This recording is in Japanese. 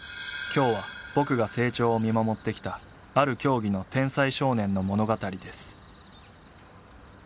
今日は僕が成長を見守ってきたある競技の天才少年の物語です